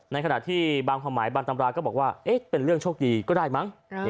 ในขณะที่บางความหมายบางตำราก็บอกว่าเป็นเรื่องโชคดีก็ได้มั้ง